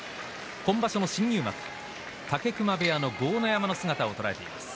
今場所の新入幕、武隈部屋の豪ノ山の姿を捉えています。